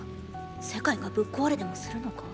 世界がぶっ壊れでもするのか？